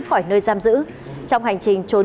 khỏi nơi giam giữ trong hành trình trốn